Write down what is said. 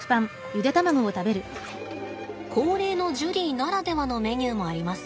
高齢のジュリーならではのメニューもあります。